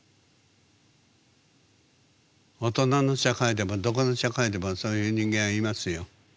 大人の社会でもどこの社会でもそういう人間はいますよ。